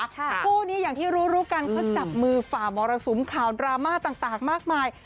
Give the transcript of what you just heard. คู่นี้อย่างที่รู้รู้กันเขาจับมือฝ่ามรสุมข่าวดราม่าต่างมากมาย